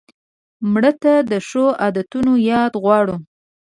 مړه ته د ښو عادتونو یاد غواړو